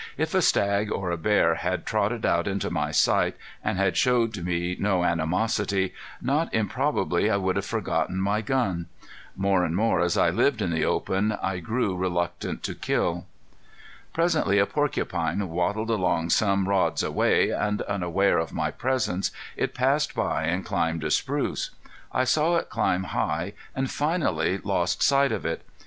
If a stag or a bear had trotted out into my sight, and had showed me no animosity, not improbably I would have forgotten my gun. More and more as I lived in the open I grew reluctant to kill. Presently a porcupine waddled along some rods away, and unaware of my presence it passed by and climbed a spruce. I saw it climb high and finally lost sight of it.